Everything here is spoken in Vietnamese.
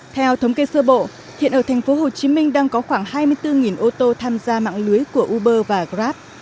theo thống kê sơ bộ hiện ở thành phố hồ chí minh đang có khoảng hai mươi bốn ô tô tham gia mạng lưới của uber và grab